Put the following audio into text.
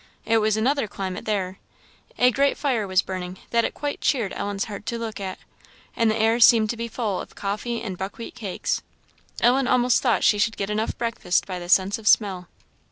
It was another climate there. A great fire was burning, that it quite cheered Ellen's heart to look at; and the air seemed to be full of coffee and buckwheat cakes; Ellen almost thought she should get enough breakfast by the sense of smell.